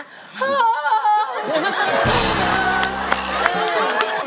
ฮ่า